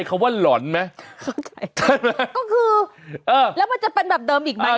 ก็คือแล้วมันจะเป็นแบบเดิมอีกไหม